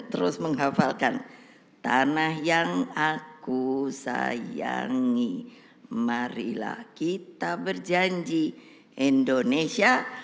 terus menghafalkan tanah yang aku sayangi marilah kita berjanji indonesia